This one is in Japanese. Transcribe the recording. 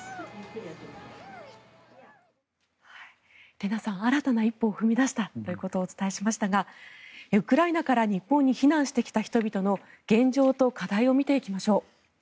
レナさん、新たな一歩を踏み出したということをお伝えしましたがウクライナから日本に避難してきた人々の現状と課題を見ていきましょう。